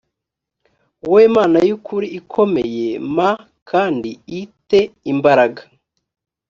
wowe mana y ukuri ikomeye m kandi i te imbaraga